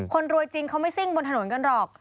คนรวยจริงเขาไม่ซิ่งบนถนนกันหรอก